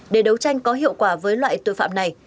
để đấu tranh có hiệu quả với loại tội phạm này